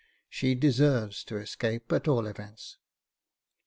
She deserves to escape, at all events."